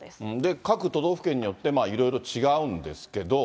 各都道府県によって、いろいろ違うんですけど。